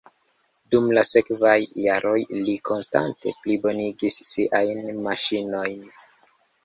Dum la sekvaj jaroj li konstante plibonigis siajn maŝinojn.